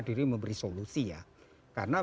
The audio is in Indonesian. diri memberi solusi ya karena